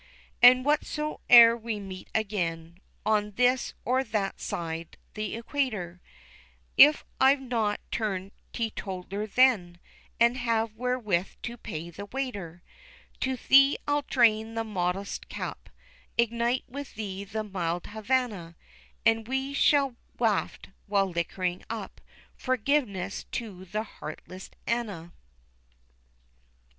And whereso'er we meet again, On this or that side the equator, If I've not turned teetotaller then, And have wherewith to pay the waiter, To thee I'll drain the modest cup, Ignite with thee the mild Havannah; And we will waft, while liquoring up, Forgiveness to the heartless ANNA.